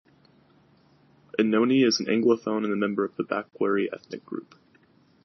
Inoni is an Anglophone and a member of the Bakweri ethnic group.